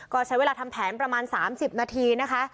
ก็ใช้เวลาทำแผนประมาณ๓๐นาทีนะคะ